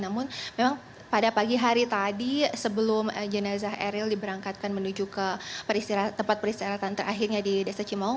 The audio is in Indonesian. namun memang pada pagi hari tadi sebelum jenazah eril diberangkatkan menuju ke tempat peristirahatan terakhirnya di desa cimau